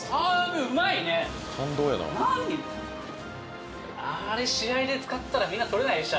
何⁉あれ試合で使ったらみんなとれないでしょ？